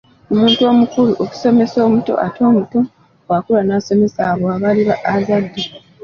Omuntu omukulu okusomesa omuto ate n'omuto bw'akula n'asomesa abo baliba azadde.